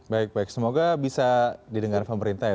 baik baik semoga bisa didengar pemerintah ya